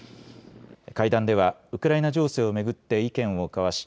会談ではウクライナ情勢を巡って意見を交わし